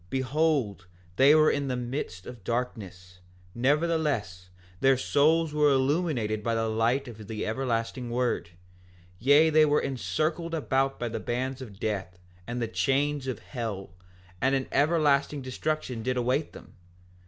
Behold, they were in the midst of darkness; nevertheless, their souls were illuminated by the light of the everlasting word; yea, they were encircled about by the bands of death, and the chains of hell, and an everlasting destruction did await them.